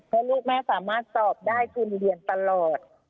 เพราะลูกแม่สามารถสอบได้ทุนเรียนตลอด